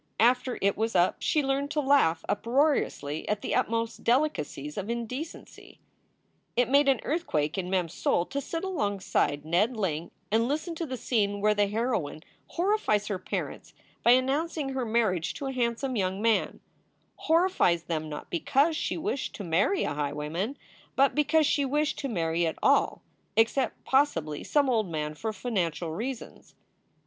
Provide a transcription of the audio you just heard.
After it was up she learned to laugh uproariously at the utmost delicacies of indecency. It made an earthquake in Mem s soul to sit alongside Ned Ling and listen to the scene where the heroine horrifies her parents by announcing her mar riage to a handsome young man horrifies them not because she wished to marry a highwayman, but because she wished to marry at all, except possibly some old man for financial reasons.